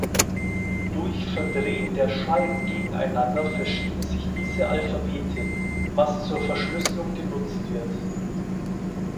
Durch Verdrehen der Scheiben gegeneinander verschieben sich diese Alphabete, was zur Verschlüsselung genutzt wird.